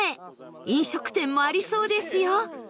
飲食店もありそうですよ